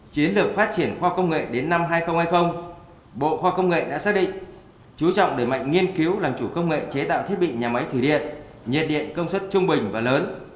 chiến lược phát triển khoa công nghệ đến năm hai nghìn hai mươi bộ khoa công nghệ đã xác định chú trọng đề mạnh nghiên cứu làm chủ công nghệ chế tạo thiết bị nhà máy thủy điện nhiệt điện công suất trung bình và lớn